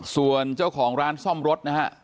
ส่วนเจ้าของร้านซ่อมรถนะฮะ